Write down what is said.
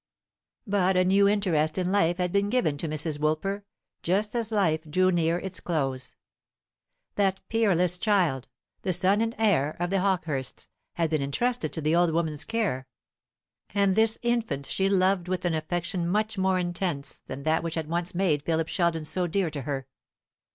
But a new interest in life had been given to Mrs. Woolper just as life drew near its close. That peerless child, the son and heir of the Hawkehursts, had been intrusted to the old woman's care; and this infant she loved with an affection much more intense than that which had once made Philip Sheldon so dear to her.